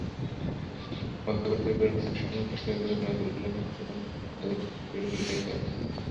মধ্যপ্রাচ্যের বিভিন্ন স্থানে সহিংসতার জন্য আবদুল্লাহ আজম ব্রিগেডকে দায়ী করা হয়ে থাকে।